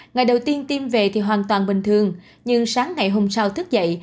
ngày đầu tiên tiêm về thì hoàn toàn bình thường nhưng sáng ngày hôm sau thức dậy